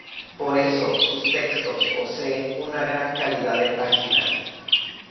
Por eso sus textos poseen una gran calidad de página.